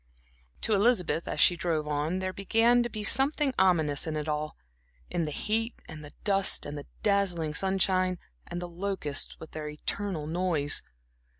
To Elizabeth, as she drove on, there began to be something ominous in it all; in the heat and the dust and the dazzling sunshine and the locusts with their eternal noise.